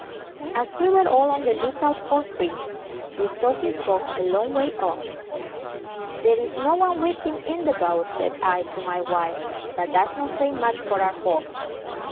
As we were all on the look out for Fritz, we saw his boat a long way off. "There is no one with him in the boat," said I to my wife; "that does not say much for our hopes."